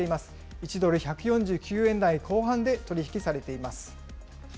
１ドル１４９円台後半で取り引きされています。